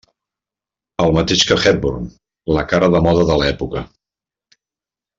El mateix que Hepburn, la cara de moda de l'època.